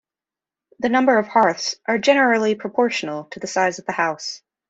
The numbers of hearths are generally proportional to the size of the house.